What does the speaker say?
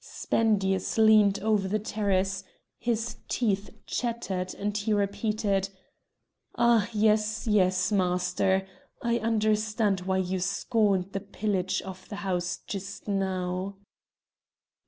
Spendius leaned over the terrace; his teeth chattered and he repeated: "Ah! yes—yes—master! I understand why you scorned the pillage of the house just now."